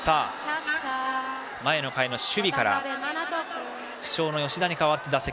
前の回の守備から負傷の吉田に代わっての打席。